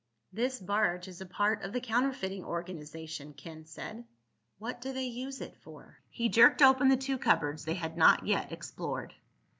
"This barge is a part of the counterfeiting organization," Ken said. "What do they use it for?" He jerked open the two cupboards they had not yet explored.